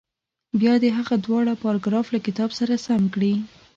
بیا دې هغه دواړه پاراګراف له کتاب سره سم کړي.